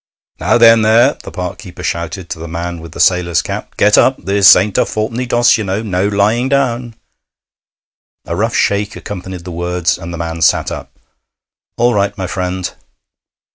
'Now then, there,' the park keeper shouted to the man with the sailor's cap, 'get up! This ain't a fourpenny doss, you know. No lying down.' A rough shake accompanied the words, and the man sat up. 'All right, my friend.'